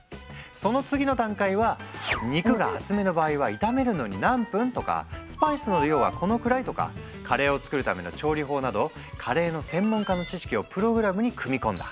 その次の段階は肉が厚めの場合は炒めるのに何分とかスパイスの量はこのくらいとかカレーを作るための調理法などカレーの専門家の知識をプログラムに組み込んだ。